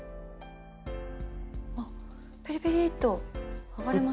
あっピリピリッと剥がれましたね。